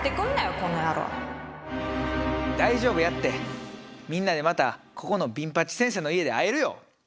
大丈夫やってみんなでまたここのビン八先生の家で会えるよ。